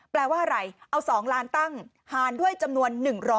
แปลว่าอะไรเอา๒ล้านตั้งหารด้วยจำนวน๑๐๐